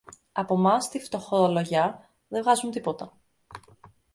Από μας τη φτωχολογιά δε βγάζουν τίποτα.